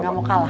gak mau kalah